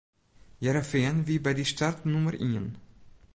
Hearrenfean wie by dy start nûmer ien.